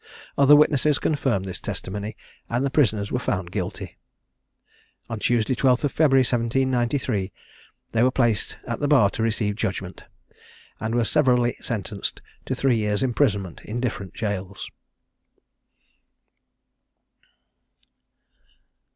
Other witnesses confirmed this testimony, and the prisoners were found guilty. On Tuesday, 12th February 1793, they were placed at the bar to receive judgment, and were severally sentenced to three years' imprisonment in different jails.